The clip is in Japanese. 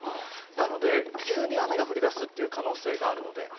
なので急に雨が降り出すという可能性があるので。